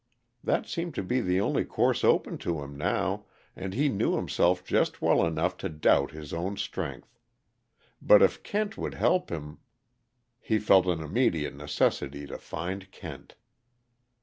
That seemed to be the only course open to him now, and he knew himself just well enough to doubt his own strength. But if Kent would help him He felt an immediate necessity to find Kent.